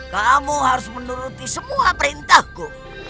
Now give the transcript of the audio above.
kamu harus menuruti semua perintahku